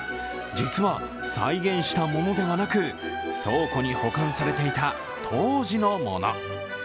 実は再現したものではなく倉庫に保管されていた当時のもの。